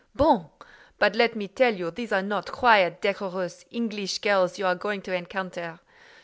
"Bon! But let me tell you these are not quiet, decorous, English girls you are going to encounter.